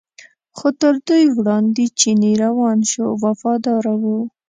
خو تر دوی وړاندې چینی روان شو وفاداره و.